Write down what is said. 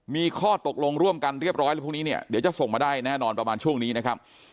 มีข้อตกลงร่วมกันเรียบร้อยแล้วพรุ่งนี้เนี่ยเดี๋ยวจะส่งมาได้แน่นอนประมาณช่วงนี้นะครับ